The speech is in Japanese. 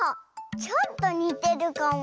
ちょっとにてるかも。